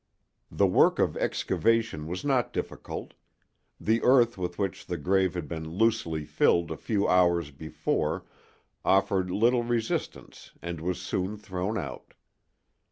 The work of excavation was not difficult: the earth with which the grave had been loosely filled a few hours before offered little resistance and was soon thrown out.